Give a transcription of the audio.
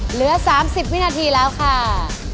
เหลือ๓๐วินาทีแล้วค่ะ